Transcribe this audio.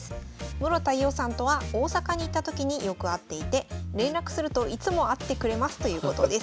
室田伊緒さんとは大阪に行った時によく会っていて連絡するといつも会ってくれますということです。